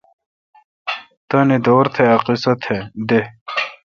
تاننی دور تہ۔ ا قیصہ دہ۔